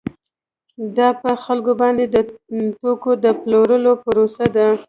دا په خلکو باندې د توکو د پلورلو پروسه ده